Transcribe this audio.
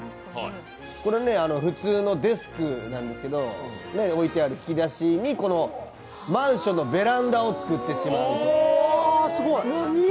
普通のデスクなんですけど置いてある引き出しにマンションのベランダを作ってしまう。